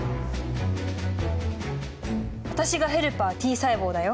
私がヘルパーＴ細胞だよ。